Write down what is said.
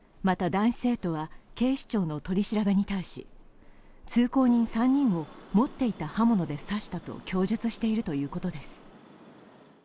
また男子生徒は警視庁の取り調べに対し通行人３人を持っていた刃物で刺したと供述しているということです。